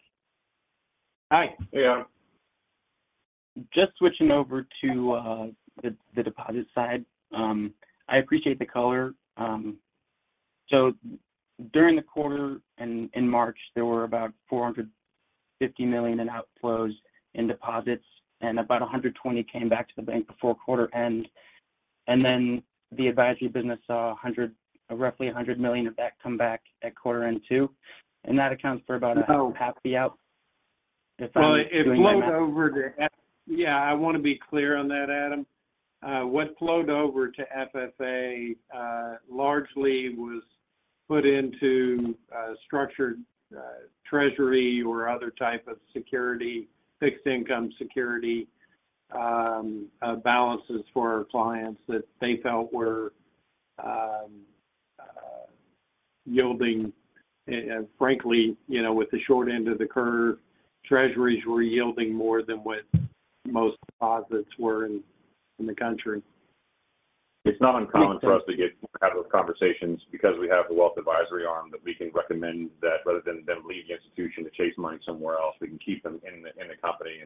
Hi. Hey, Adam. Just switching over to the deposit side. I appreciate the color. During the quarter and in March, there were about $450 million in outflows in deposits. About $120 million came back to the bank before quarter end. The advisory business saw roughly $100 million of that come back at quarter end too. That accounts for about. No -half the out, if I'm doing the math- Yeah, I wanna be clear on that, Adam. What flowed over to FFA largely was put into a structured treasury or other type of security, fixed income security, balances for our clients that they felt were yielding, frankly, you know, with the short end of the curve, treasuries were yielding more than what most deposits were in the country. It's not uncommon for us to have those conversations because we have the wealth advisory arm that we can recommend that rather than them leaving the institution to chase money somewhere else, we can keep them in the company.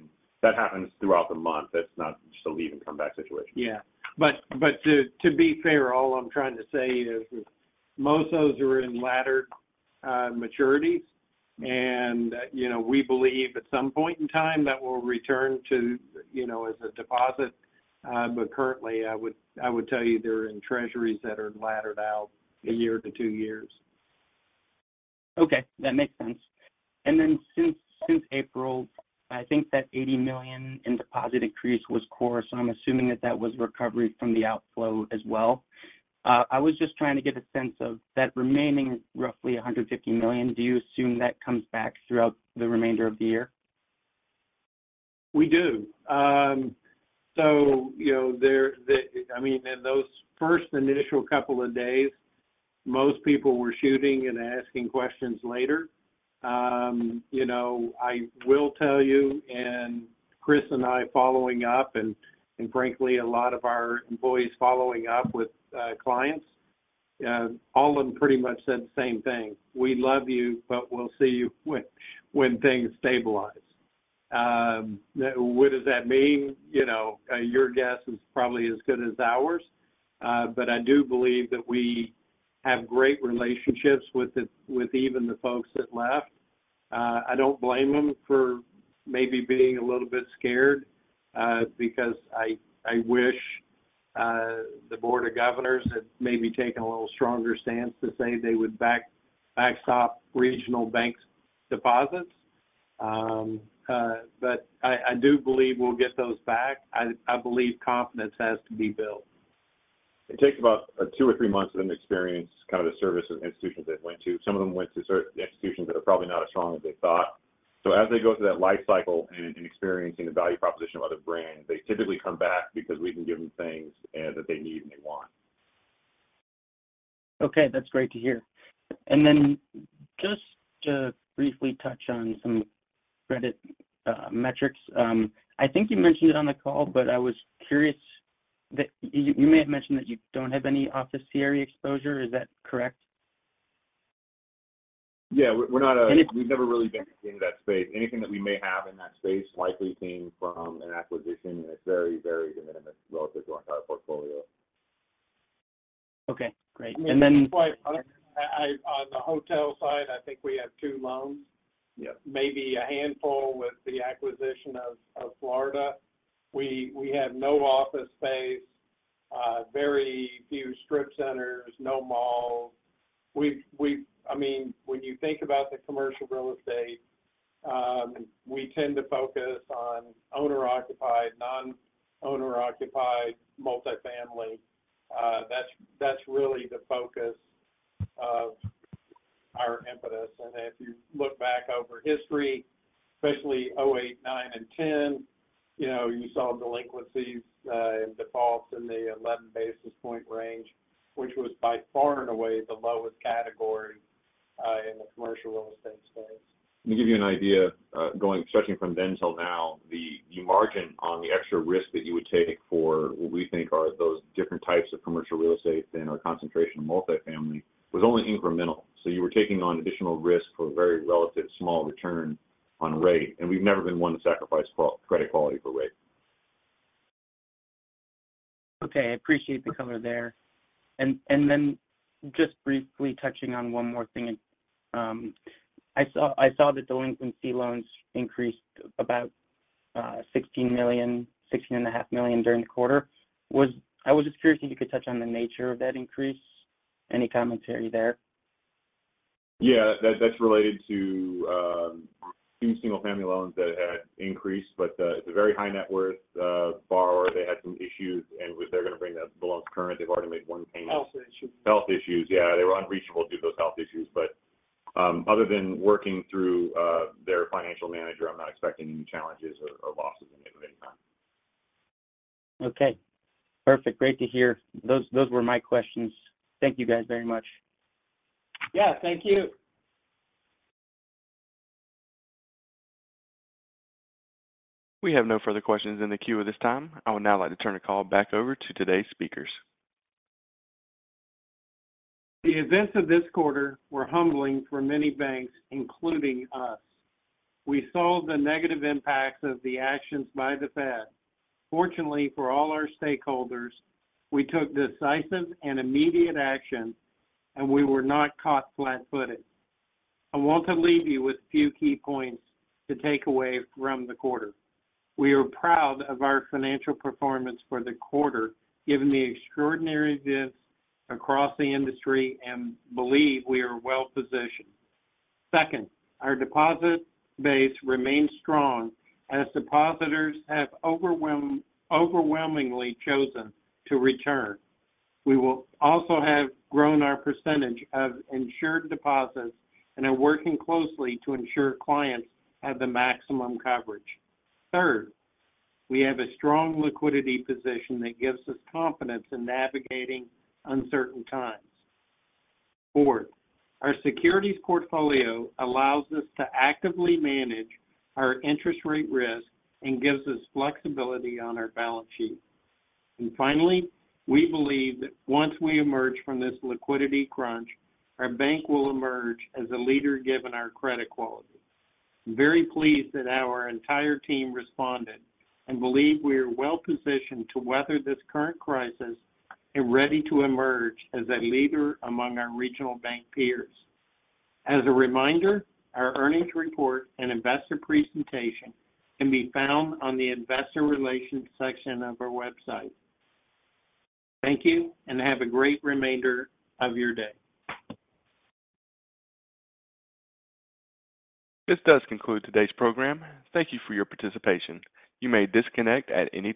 That happens throughout the month. That's not just a leave and come back situation. Yeah. to be fair, all I'm trying to say is most of those are in ladder maturities, and, you know, we believe at some point in time that we'll return to, you know, as a deposit. currently, I would tell you they're in treasuries that are laddered out a year to 2 years. Okay. That makes sense. Since April, I think that $80 million in deposit increase was core. I'm assuming that that was recovery from the outflow as well. I was just trying to get a sense of that remaining roughly $150 million. Do you assume that comes back throughout the remainder of the year? We do. You know, I mean, in those first initial couple of days, most people were shooting and asking questions later. You know, I will tell you, Chris and I following up, and frankly, a lot of our employees following up with clients, all of them pretty much said the same thing: "We love you, but we'll see you when things stabilize." What does that mean? You know, your guess is probably as good as ours. I do believe that we have great relationships with even the folks that left. I don't blame them for maybe being a little bit scared, because I wish the board of governors had maybe taken a little stronger stance to say they would backstop regional banks deposits. I do believe we'll get those back. I believe confidence has to be built. It takes about two or three months for them to experience kind of the service of institutions they went to. Some of them went to institutions that are probably not as strong as they thought. As they go through that life cycle and experiencing the value proposition of other brands, they typically come back because we can give them things that they need and they want. Okay, that's great to hear. Just to briefly touch on some credit metrics. I think you mentioned it on the call, but I was curious that you may have mentioned that you don't have any office CRE exposure. Is that correct? Yeah, we're not... Any- We've never really been in that space. Anything that we may have in that space likely came from an acquisition, and it's very, very de minimis relative to our entire portfolio. Okay, great. Quite honest, I on the hotel side, I think we have two loans. Yeah. Maybe a handful with the acquisition of Florida. We have no office space, very few strip centers, no malls. We've I mean, when you think about the commercial real estate, we tend to focus on owner-occupied, non-owner-occupied multifamily. That's really the focus of our impetus. If you look back over history, especially 2008, 2009 and 2010, you know, you saw delinquencies and defaults in the 11 basis point range, which was by far and away the lowest category in the commercial real estate space. Let me give you an idea, stretching from then till now. The margin on the extra risk that you would take for what we think are those different types of commercial real estate than our concentration on multifamily was only incremental. You were taking on additional risk for a very relative small return on rate, and we've never been one to sacrifice credit quality for rate. Okay. I appreciate the color there. Then just briefly touching on one more thing. I saw the delinquency loans increased about sixteen and a half million during the quarter. I was just curious if you could touch on the nature of that increase. Any commentary there? Yeah, that's related to a few single-family loans that had increased, but it's a very high net worth borrower. They had some issues, and they're gonna bring the loans current. They've already made 1 payment. Health issues. Health issues. Yeah, they were unreachable due to those health issues. Other than working through their financial manager, I'm not expecting any challenges or losses in any of anytime. Okay. Perfect. Great to hear. Those were my questions. Thank you guys very much. Yeah, thank you. We have no further questions in the queue at this time. I would now like to turn the call back over to today's speakers. The events of this quarter were humbling for many banks, including us. We saw the negative impacts of the actions by the Fed. Fortunately for all our stakeholders, we took decisive and immediate action, we were not caught flat-footed. I want to leave you with a few key points to take away from the quarter. We are proud of our financial performance for the quarter, given the extraordinary events across the industry, believe we are well-positioned. Second, our deposit base remains strong as depositors have overwhelmingly chosen to return. We will also have grown our percentage of insured deposits and are working closely to ensure clients have the maximum coverage. Third, we have a strong liquidity position that gives us confidence in navigating uncertain times. Fourth, our securities portfolio allows us to actively manage our interest rate risk and gives us flexibility on our balance sheet. Finally, we believe that once we emerge from this liquidity crunch, our bank will emerge as a leader given our credit quality. I'm very pleased that our entire team responded and believe we are well-positioned to weather this current crisis and ready to emerge as a leader among our regional bank peers. A reminder, our earnings report and investor presentation can be found on the investor relations section of our website. Thank you. Have a great remainder of your day. This does conclude today's program. Thank you for your participation. You may disconnect at any time.